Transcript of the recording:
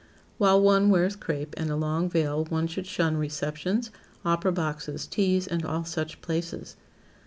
While one wears crape and a long veil one should shun receptions, opera boxes, teas and all such places.